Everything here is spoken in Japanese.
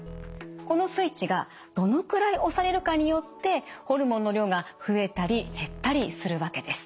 このスイッチがどのくらい押されるかによってホルモンの量が増えたり減ったりするわけです。